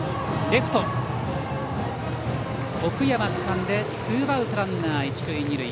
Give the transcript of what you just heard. レフト、奥山つかんでツーアウトランナー、一塁二塁。